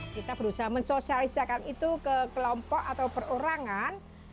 kita berusaha mensosialisakan itu ke kelompok atau perorangan